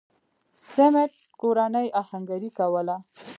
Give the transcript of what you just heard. سمېت کورنۍ اهنګري کوله.